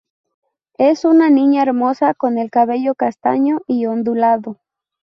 Es una niña hermosa con el cabello castaño y ondulado.